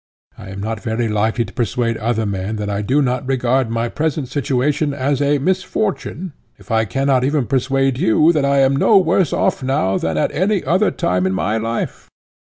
I am not very likely to persuade other men that I do not regard my present situation as a misfortune, if I cannot even persuade you that I am no worse off now than at any other time in my life.